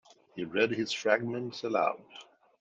He read his fragments aloud.